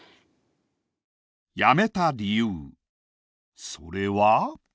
辞めた理由それは。